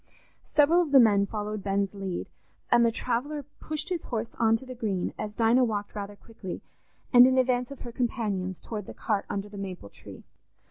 Several of the men followed Ben's lead, and the traveller pushed his horse on to the Green, as Dinah walked rather quickly and in advance of her companions towards the cart under the maple tree.